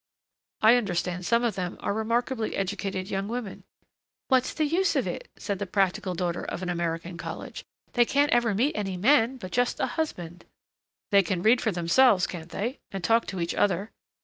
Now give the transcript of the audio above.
"I understand some of them are remarkably educated young women." "What's the use of it?" said the practical daughter of an American college. "They can't ever meet any men, but just a husband " "They can read for themselves, can't they? And talk to each other.